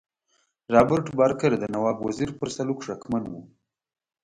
رابرټ بارکر د نواب وزیر پر سلوک شکمن وو.